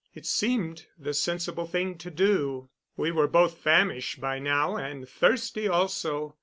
It seemed the sensible thing to do. We were both famished by now and thirsty also.